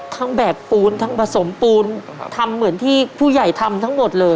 แบกปูนทั้งผสมปูนทำเหมือนที่ผู้ใหญ่ทำทั้งหมดเลย